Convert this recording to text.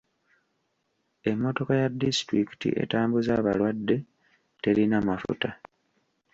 Emmotoka ya disitulikiti etambuza abalwadde terina mafuta.